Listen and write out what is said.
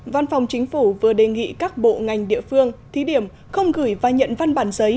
văn phòng chính phủ vừa đề nghị các bộ ngành địa phương thí điểm không gửi và nhận văn bản giấy